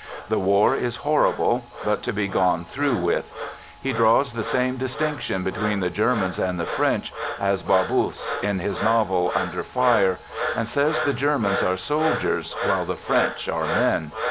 The war is horrible but to be gone through with. He draws the same distinction be tween the Germans and the French as Barbusse in his novel " Under Fire/* and says the Germans are soldiers while the French are men.